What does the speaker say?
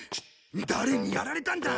誰にやられたんだ？